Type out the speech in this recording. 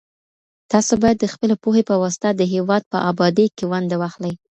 تاسو بايد د خپلي پوهي په واسطه د هېواد په ابادۍ کي ونډه واخلئ.